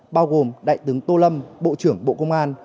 bao gồm đại tướng tô lâm bộ trưởng bộ công an